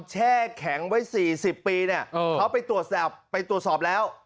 แช่แข็งไว้๔๐ปีเนี่ยเขาไปตรวจสอบแล้ว